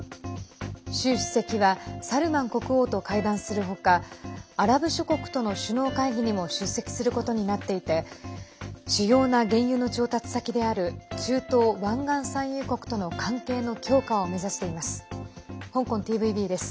習主席はサルマン国王と会談する他アラブ諸国との首脳会議にも出席することになっていて主要な原油の調達先である中東湾岸産油国との関係の強化を目指しています。